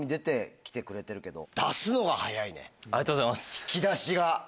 引き出しが。